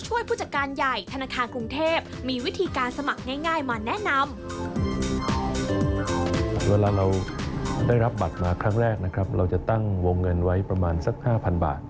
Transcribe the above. เวลาเราได้รับบัตรมาครั้งแรกนะครับเราจะตั้งวงเงินไว้ประมาณสัก๕๐๐๐บาท